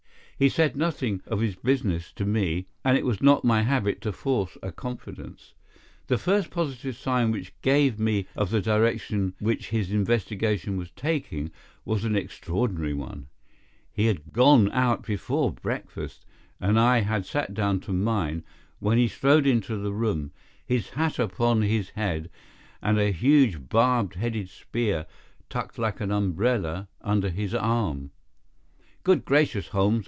He said nothing of his business to me, and it was not my habit to force a confidence. The first positive sign which he gave me of the direction which his investigation was taking was an extraordinary one. He had gone out before breakfast, and I had sat down to mine when he strode into the room, his hat upon his head and a huge barbed headed spear tucked like an umbrella under his arm. "Good gracious, Holmes!"